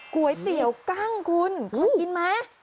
ก๋วยเตี๋ยวกั้งคุณเคยกินไหม